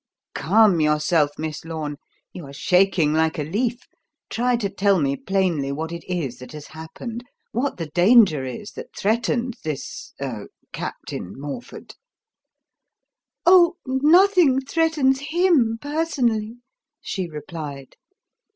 "Calm yourself, Miss Lorne. You are shaking like a leaf. Try to tell me plainly what it is that has happened; what the danger is that threatens this er Captain Morford." "Oh, nothing threatens him, personally," she replied.